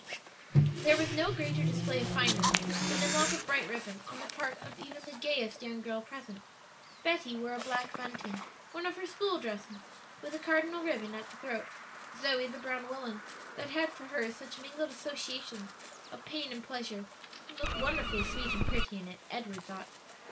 There was no greater display of finery than a knot of bright ribbon, on the part of even the gayest young girl present. Betty wore a black bunting one of her school dresses with a cardinal ribbon at the throat; Zoe the brown woollen that had for her such mingled associations of pain and pleasure, and looked wonderfully sweet and pretty in it, Edward thought.